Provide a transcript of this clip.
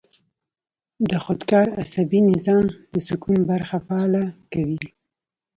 د خودکار اعصابي نظام د سکون برخه فعاله کوي -